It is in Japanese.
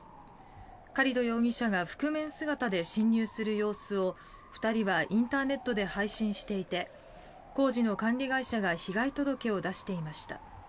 カリド容疑者が覆面姿で侵入する様子を２人はインターネットで配信していて工事の管理会社が被害届を出していました。